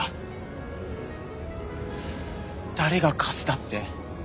誰がカスだって？